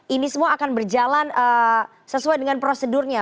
ini semua akan berjalan sesuai dengan prosedurnya